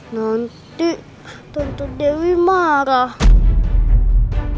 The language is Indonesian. nanti tentu dewi marah